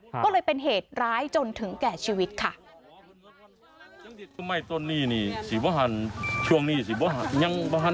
ก็เลยเป็นเหตุร้ายจนถึงแก่ชีวิตค่ะ